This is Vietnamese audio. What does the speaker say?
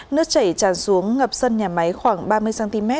nước chảy tràn xuống ngập sân nhà máy khoảng ba mươi cm